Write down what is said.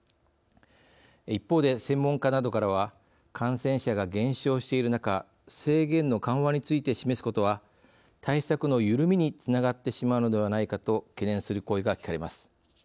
一方で専門家などからは感染者が減少している中制限の緩和について示すことは対策の緩みにつながってしまうのではないかと懸念する声が聞かれます。